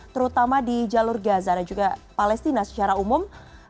terutama di jalur gaza dan juga palestina secara umum